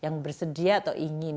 yang bersedia atau ingin